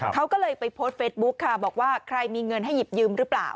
เขาก็เลยไปแฟตบุ๊กบอกว่าใครมีเงินให้หยิบยึมหรือปล่าว